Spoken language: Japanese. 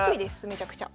めちゃくちゃ。